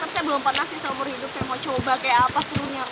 saya belum pernah sih seumur hidup saya mau coba kayak apa serunya